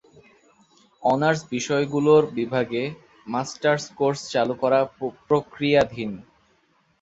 Honours বিষয়গুলোর বিভাগে masters course চালু করা প্রক্রিয়াধীন।